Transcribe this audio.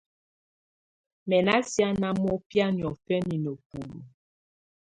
Mɛ́ ná siáná mɔbɛ̀á niɔ̀fɛnɛ nǝ́bulu.